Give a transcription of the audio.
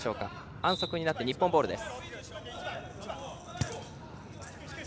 反則になって日本ボールです。